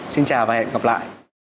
xin chào và hẹn gặp lại